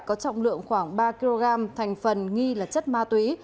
có trọng lượng khoảng ba kg thành phần nghi là chất ma túy